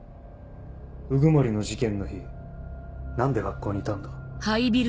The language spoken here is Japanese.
鵜久森の事件の日何で学校にいたんだ？